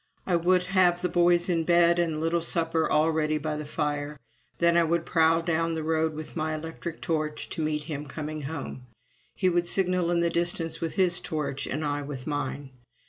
I would have the boys in bed and the little supper all ready by the fire; then I would prowl down the road with my electric torch, to meet him coming home; he would signal in the distance with his torch, and I with mine.